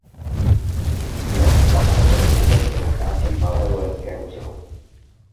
Dnes se v základech Citadely nachází malé vojenské muzeum.